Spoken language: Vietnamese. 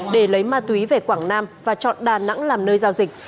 để lấy ma túy về quảng nam và chọn đà nẵng làm nơi giao dịch